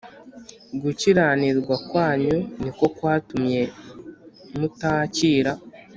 Gukiranirwa kwanyu niko kwatumye mutakira